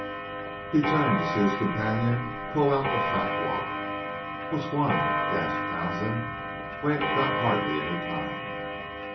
He turned to see his companion pull out a fat wallet. "Which one?" gasped Townsend. "We ain't got hardly any time."